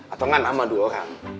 atau enggak nama dua orang